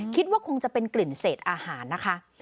คิดว่าคงจะเป็นกลิ่นเศษอาหารนะคะ